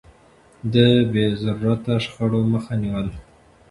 ده د بې ضرورته شخړو مخه نيوله.